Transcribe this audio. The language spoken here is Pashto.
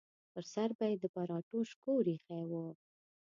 پر سر به یې د پراټو شکور ایښی و.